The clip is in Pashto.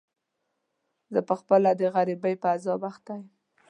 زه په خپله د غريبۍ په عذاب اخته يم.